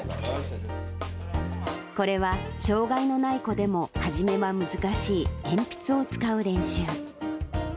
これは障がいのない子でも初めは難しい鉛筆を使う練習。